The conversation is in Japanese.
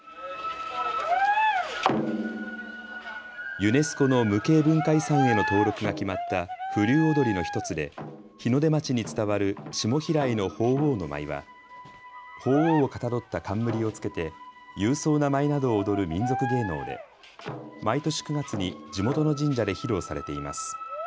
ユネスコの無形文化遺産への登録が決まった風流踊の１つで日の出町に伝わる下平井の鳳凰の舞はほうおうをかたどった冠を着けて勇壮な舞などを踊る民俗芸能で毎年９月に地元の神社で披露されています。